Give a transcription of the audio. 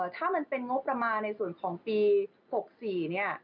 ถ้ามันเป็นงบประมาณในส่วนของปี๖๔เนี่ย